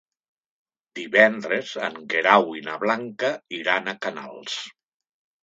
Divendres en Guerau i na Blanca iran a Canals.